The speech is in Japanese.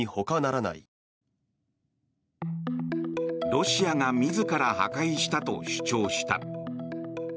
ロシアが自ら破壊したと主張した。